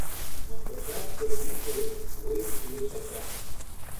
— Моткочак кочмем шуэш, — вуйым шиеш ача.